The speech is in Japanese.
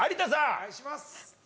お願いします！